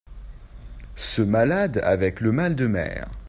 ceux malades avec le mal de mer.